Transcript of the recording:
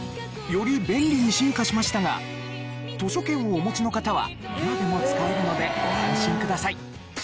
より便利に進化しましたが図書券をお持ちの方は今でも使えるのでご安心ください。